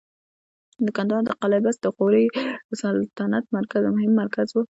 د کندهار د قلعه بست د غوري سلطنت مهم مرکز و